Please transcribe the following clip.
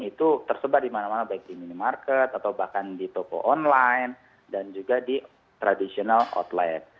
itu tersebar di mana mana baik di minimarket atau bahkan di toko online dan juga di traditional outlet